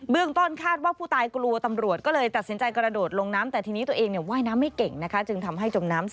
เบื้องต้นคาดว่าผู้ตายกลัวตำรวจ